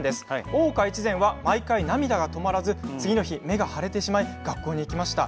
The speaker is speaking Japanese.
「大岡越前」は毎回涙が止まらず次の日、目が腫れてしまい学校に行きました。